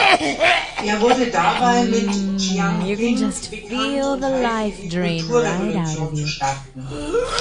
Er wurde dabei mit Jiang Qing bekannt und half ihr die Kulturrevolution zu starten.